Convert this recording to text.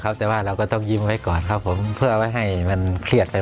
แต่ว่าเราก็ต้องยิ้มไว้ก่อนครับผมเพื่อไว้ให้มันเครียดไป